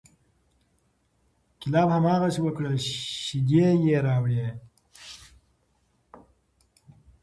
کلاب هماغسې وکړل، شیدې یې راوړې،